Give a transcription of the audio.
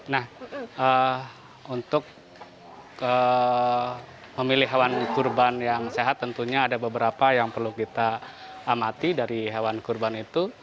nah untuk memilih hewan kurban yang sehat tentunya ada beberapa yang perlu kita amati dari hewan kurban itu